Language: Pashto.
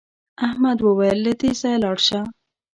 احمد وویل له دې ځایه لاړ شه.